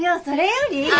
それより。